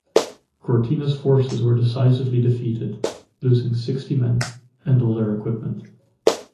Cortina's forces were decisively defeated, losing sixty men and all their equipment.